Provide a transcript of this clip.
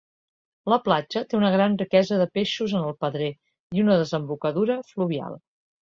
La platja té una gran riquesa de peixos en el pedrer i una desembocadura fluvial.